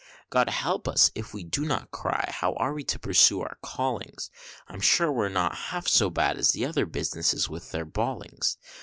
God help us if we don't not cry, how are we to pursue our callings? I'm sure we're not half so bad as other businesses with their bawlings.